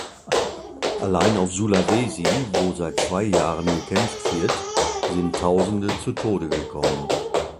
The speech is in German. Allein auf Sulawesi, wo seit zwei Jahren gekämpft wird, sind Tausende zu Tode gekommen.